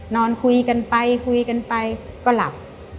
นอนคุยกันไปคุยกันไปก็หลับ